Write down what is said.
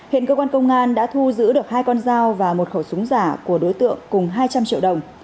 hiện cơ quan công an đã thu giữ được hai con dao và một khẩu súng giả của đối tượng cùng hai trăm linh triệu đồng